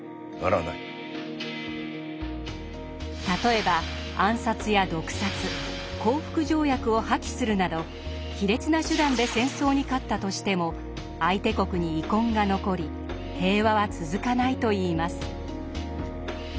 例えば暗殺や毒殺降伏条約を破棄するなど卑劣な手段で戦争に勝ったとしても相手国に遺恨が残り平和は続かないといいます。